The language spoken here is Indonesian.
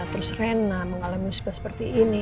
terus rena mengalami musibah seperti ini